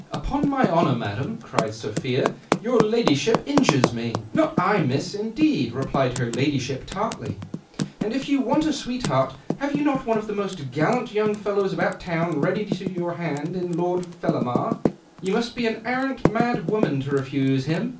* Upon my honour, madam," cried Sophia, " your ladyship injures me." " Not 1, miss, indeed," replied her ladyship tartly, " and if you want a sweetheart, have you not one of the most gallant 26 PARTRIDGE AT JULIUS C\ESAR ' young fellows about town ready to your hand in Lord Fellamar ? You nuist be an arrant mad woman to refuse him."'